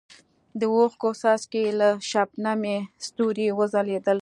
د اوښکو څاڅکي یې لکه شبنمي ستوري وځلېدل.